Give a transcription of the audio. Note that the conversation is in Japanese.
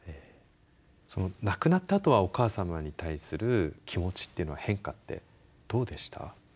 亡くなったあとはお母様に対する気持ちっていうのは変化ってどうでした？